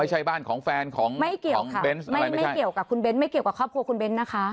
ไม่ใช่บ้านของแฟนของไม่เกี่ยวกับเบนส์ไม่เกี่ยวกับคุณเบ้นไม่เกี่ยวกับครอบครัวคุณเบ้นนะคะ